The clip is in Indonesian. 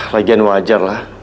lagian wajar lah